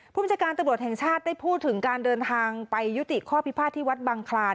ผู้บัญชาการตำรวจแห่งชาติได้พูดถึงการเดินทางไปยุติข้อพิพาทที่วัดบังคลาน